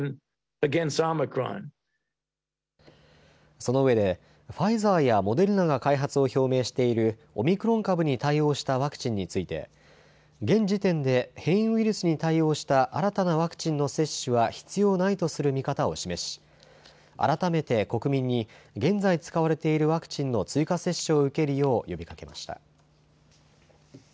そのうえでファイザーやモデルナが開発を表明しているオミクロン株に対応したワクチンについて現時点で変異ウイルスに対応した新たなワクチンの接種は必要ないとする見方を示し改めて国民に現在使われているワクチンの追加接種を受けるよう呼びかけました。